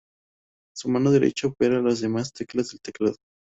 Su mano derecha opera las demás teclas del teclado.